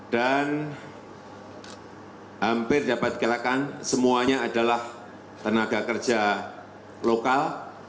dan hampir dapat dikatakan semuanya adalah tenaga kerja lokal